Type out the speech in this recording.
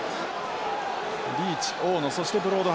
リーチ大野そしてブロードハースト。